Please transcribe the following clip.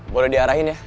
boleh diarahin ya